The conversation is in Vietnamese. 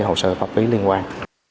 hồ sơ pháp lý liên quan